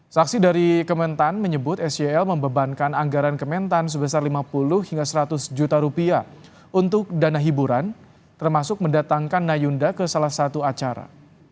saksi dari kementan menyebut sel membebankan anggaran kementan sebesar lima puluh hingga seratus juta rupiah untuk dana hiburan termasuk mendatangkan nayunda ke salah satu acara